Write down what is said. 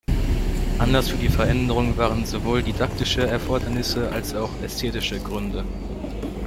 Anlass für die Veränderung waren sowohl didaktische Erfordernisse als auch ästhetische Gründe.